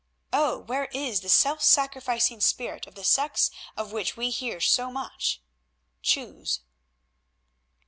Oh! where is the self sacrificing spirit of the sex of which we hear so much? Choose."